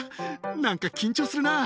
なんか緊張するな。